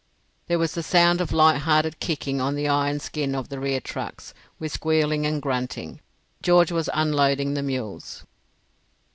There was a sound of light hearted kicking on the iron skin of the rear trucks, with squealing and grunting. George was unloading the mules.